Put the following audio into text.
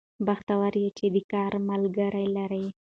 بختور يې چې د کار ملګري لرې